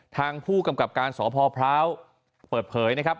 ทางผู้กำกับการสพพร้าวเปิดเผยนะครับ